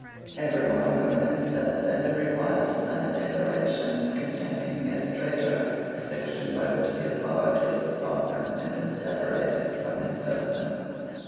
Every one of her ministers had been required to sign a declaration condemning as traitorous the fiction by which the authority of the sovereign had been separated from his person.